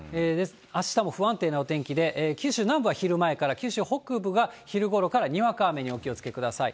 あしたも不安定なお天気で、九州南部は昼前から、九州北部が昼ごろからにわか雨にお気をつけください。